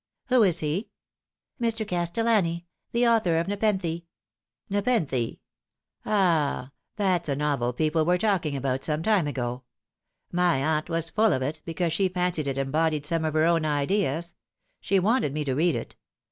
" Who is he ?"" Mr. Castellani, the author of Nepenthe." " Nepenthe ? ah, that's a novel people were talking about some time ago. My aunt was full of it, because she fancied it embodied some of her own ideas. She wanted me to read it.